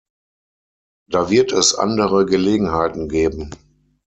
Da wird es andere Gelegenheiten geben.